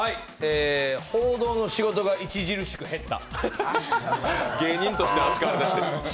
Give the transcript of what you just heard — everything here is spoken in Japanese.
報道の仕事が著しく減った。